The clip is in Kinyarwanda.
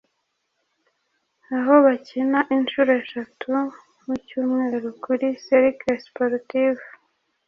aho bakina inshuro eshatu mu Cyumweru kuri Cercle Sportif